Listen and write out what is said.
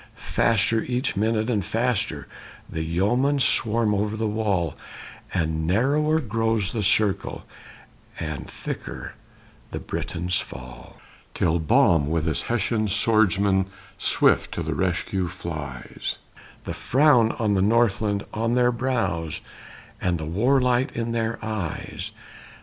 Faster each minute and faster The yeomen swarm over the wall, And narrower grows the circle And thicker the Britons fall; Till Baum with his Hessian swordsmen Swift to the rescue flies, The frown of the Northland on their brows And the war light in their eyes.